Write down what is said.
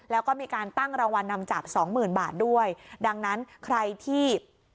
แล้วก็มีการตั้งรางวัลนำจับสองหมื่นบาทด้วยดังนั้นใครที่